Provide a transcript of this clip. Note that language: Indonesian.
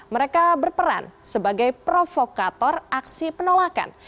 mereka berperan sebagai provokator aksi penolakan